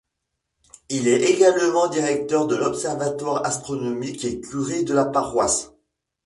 Il est également directeur de l'observatoire astronomique et curé de la paroisse.